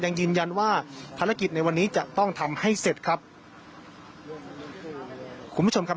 ยังยืนยันว่าภารกิจในวันนี้จะต้องทำให้เสร็จครับคุณผู้ชมครับ